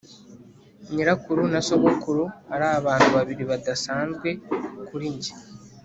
nyirakuru na sogokuru ari abantu babiri badasanzwe kuri njye